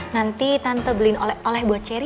nanti tante beliin oleh oleh buat ceri